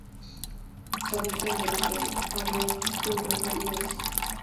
Habita en el paleártico: Europa y Asia.